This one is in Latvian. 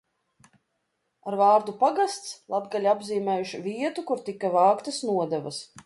Ar vārdu pagasts latgaļi apzīmējuši vietu, kur tika vāktas nodevas.